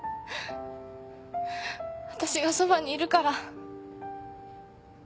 わたしがそばにいるから。